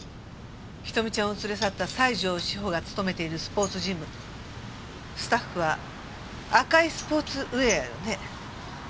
瞳ちゃんを連れ去った西条史歩が勤めているスポーツジムスタッフは赤いスポーツウエアよね？